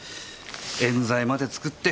冤罪まで作って。